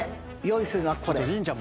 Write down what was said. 用意するのはこれ。